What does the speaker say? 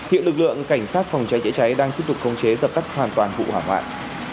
hiện lực lượng cảnh sát phòng cháy chữa cháy đang tiếp tục khống chế dập tắt hoàn toàn vụ hỏa hoạn